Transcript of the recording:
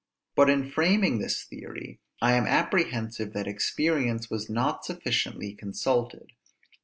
But in framing this theory, I am apprehensive that experience was not sufficiently consulted.